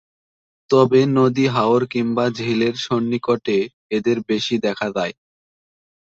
তবে নদী, হাওর কিংবা ঝিলের সন্নিকটে এদের বেশি দেখা যায়।